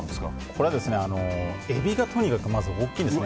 これはエビがとにかく大きいんです。